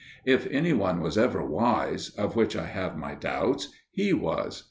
If any one was ever "wise," of which I have my doubts, he was.